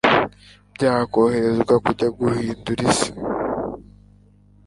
bakoherezwa kujya guhindura isi